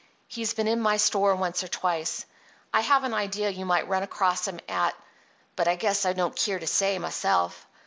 —he's been in my store once or twice. I have an idea you might run across him at—but I guess I don't keer to say, myself.